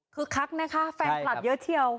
คือคักนะคะแฟนคลับเยอะเชียว